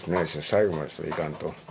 最後までいかんと。